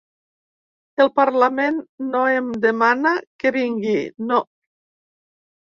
El parlament no em demana que vingui, no.